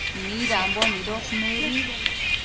midambo nidosh nëbi